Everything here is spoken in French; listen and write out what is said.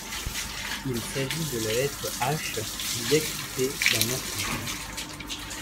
Il s'agit de la lettre H diacritée d'un macron.